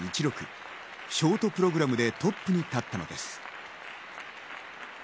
ショートプログラムでトップに立ったのです。